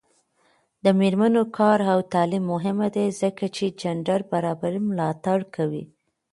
د میرمنو کار او تعلیم مهم دی ځکه چې جنډر برابرۍ ملاتړ کوي.